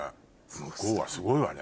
向こうはすごいわね。